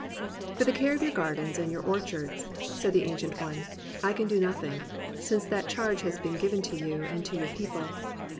"For the care of your gardens and your orchards," said the Ancient One, "I can do nothing, since that charge has been given to you and to your people.